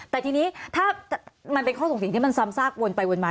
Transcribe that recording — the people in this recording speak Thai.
แต่ทีนี้ถ้ามันเป็นข้อส่งเสียงที่มันซ้ำซากวนไปวนมา